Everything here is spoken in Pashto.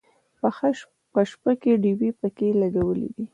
په شپه کې ډیوې پکې لګولې دي.